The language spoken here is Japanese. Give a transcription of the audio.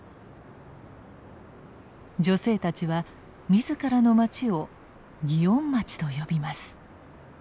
女性たちは自らの町を「祇園町」と呼びます。